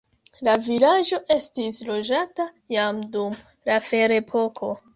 La vilaĝo estis loĝata jam dum la ferepoko.